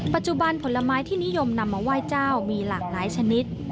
ผลไม้ที่นิยมนำมาไหว้เจ้ามีหลากหลายชนิด